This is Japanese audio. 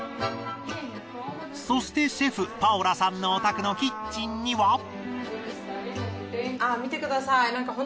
そしてシェフパオラさんのお宅のキッチンには。あっ見てくださいなんか。